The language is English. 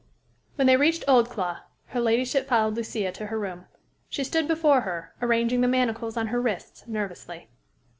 When they reached Oldclough, her ladyship followed Lucia to her room. She stood before her, arranging the manacles on her wrists nervously.